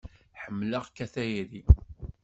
Ḥemmleɣ-k a tayri.